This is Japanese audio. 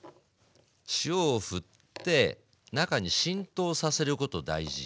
塩をふって中に浸透させること大事。